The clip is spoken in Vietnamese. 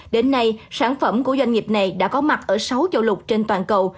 đến nay sản phẩm của doanh nghiệp này đã có mặt ở sáu châu lục trên toàn cầu